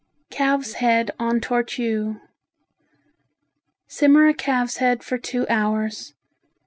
Calves' Head en Tortue Simmer a calves' head for two hours.